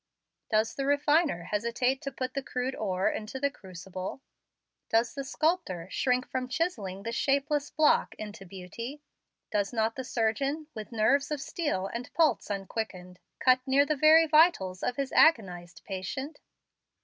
Does the refiner hesitate to put the crude ore into the crucible? Does the sculptor shrink from chiselling the shapeless block into beauty? Does not the surgeon, with nerves of steel and pulse unquickened, cut near the very vitals of his agonized patient?